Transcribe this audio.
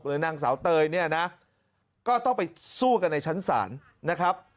นางสาวเตยเนี่ยนะก็ต้องไปสู้กันในชั้นศาลนะครับ